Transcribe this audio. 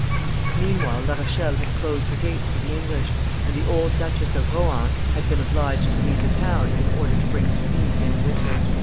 Meanwhile La Rochelle had closed her gates to the English, and the old Duchess of Rohan had been obliged to leave the town in order to bring Soubise in with her.